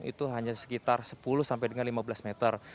itu hanya sekitar sepuluh sampai dengan lima belas meter